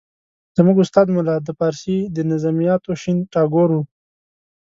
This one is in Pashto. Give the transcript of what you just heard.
زموږ استاد ملا د فارسي د نظمیاتو شین ټاګور وو.